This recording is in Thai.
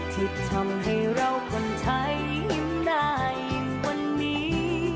ที่ทำให้เราคนไทยยิ้มได้วันนี้